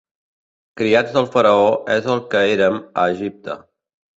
Criats del Faraó és el que érem a Egipte.